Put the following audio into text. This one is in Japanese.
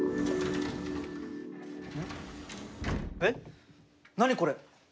えっ何これ？